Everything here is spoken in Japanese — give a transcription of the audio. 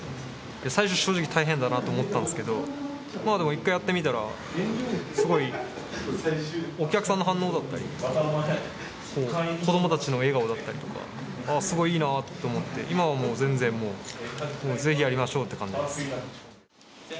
最初正直大変だなと思ったんですけどまあでも一回やってみたらすごくお客さんの反応だったり子どもたちの笑顔だったりとかすごくいいなと思って今はもう全然もうぜひやりましょうって感じです。